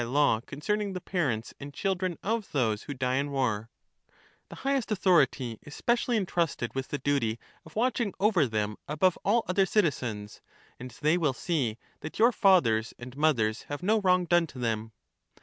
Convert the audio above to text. law concerning the parents and children of those who die in war ; the highest authority is specially entrusted with the duty of watching over them above all other citizens, and they will see that your fathers and mothers have no wrong done to them.